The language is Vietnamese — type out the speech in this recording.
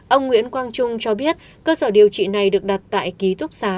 ông nguyễn quang trung cho biết cơ sở điều trị này được đặt tại ký túc xá